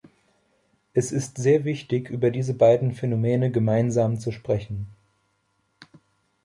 Es ist sehr wichtig, über diese beiden Phänomene gemeinsam zu sprechen.